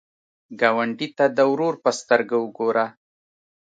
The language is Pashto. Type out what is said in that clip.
ګاونډي ته د ورور په سترګه وګوره